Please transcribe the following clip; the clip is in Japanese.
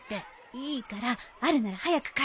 いいからあるなら早く貸して。